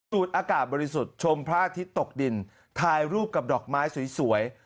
อากาศบริสุทธิ์ชมพระอาทิตย์ตกดินถ่ายรูปกับดอกไม้สวย